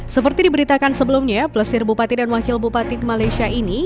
seperti diberitakan sebelumnya plesir bupati dan wakil bupati ke malaysia ini